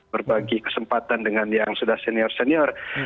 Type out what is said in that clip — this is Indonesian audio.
berbagi kesempatan dengan yang sudah senior senior